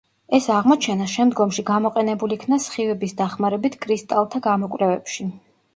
ეს აღმოჩენა შემდგომში გამოყენებულ იქნა სხივების დახმარებით კრისტალთა გამოკვლევებში.